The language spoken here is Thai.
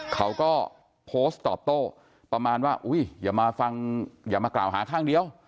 เขาก็โพสต์ตอบโต้ประมาณว่าอุ้ยอย่ามาฟังอย่ามากล่าวหาข้างเดียว